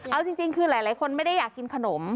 เอาจริงคือหลายคนไม่ได้อยากกินขนม